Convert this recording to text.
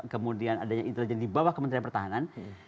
kemudian adanya intelijen di bawah kementerian pertahanan